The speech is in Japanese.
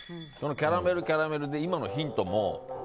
キャラメル、キャラメルで今のヒントも。